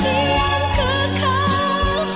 dia hogy sangat berboleh